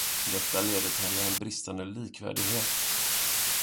Detta leder till en bristande likvärdighet.